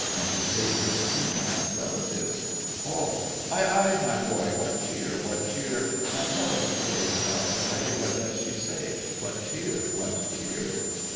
Enter SAILORS, HEBE, and RELATIVES ALL. Aye, aye, my boy, What cheer, what cheer? Now tell us, pray, Without delay, What does she say— What cheer, what cheer?